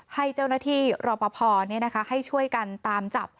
ให้เจ้าหน้าที่รอปภให้ช่วยกันตามจับ